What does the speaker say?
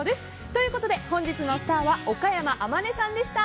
ということで、本日のスターは岡山天音さんでした。